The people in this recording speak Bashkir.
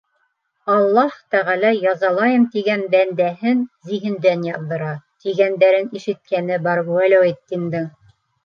Аллаһ тәғәлә язалайым тигән бәндәһен зиһендән яҙҙыра, тигәндәрен ишеткәне бар Вәләүетдиндең.